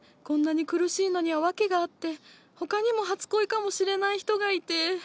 こんなに苦しいのには訳があって他にも初恋かもしれない人がいて。